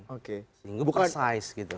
sehingga bukan size gitu